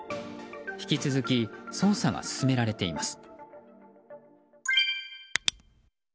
引き続き捜査が進められています。